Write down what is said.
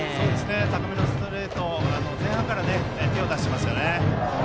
高めのストレート前半から手を出していますね。